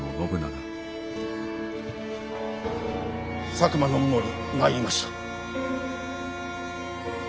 佐久間信盛参りました。